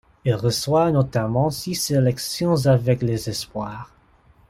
Il reçoit notamment six sélections avec les espoirs.